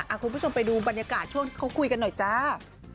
คุณผู้ชมไปดูบรรยากาศช่วงที่เขาคุยกันหน่อยจ้า